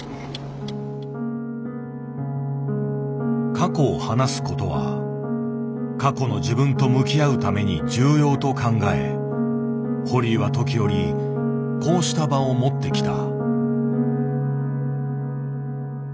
過去を話すことは過去の自分と向き合うために重要と考え堀井は時折こうした場を持ってきた。